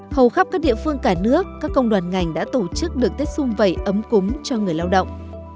hầu khắp các địa phương cả nước các công đoàn ngành đã tổ chức được tết xung vầy ấm cúng cho người lao động